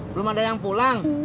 belum ada yang pulang